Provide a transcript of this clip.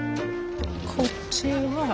こっちは？